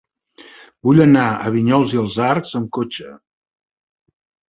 Vull anar a Vinyols i els Arcs amb cotxe.